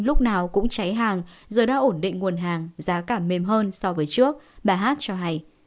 lúc nào cũng cháy hàng giờ đã ổn định nguồn hàng giá cả mềm hơn so với trước bà hát cho hay